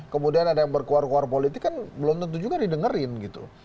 kemudian ada yang berkuar kuar politik kan belum tentu juga didengerin gitu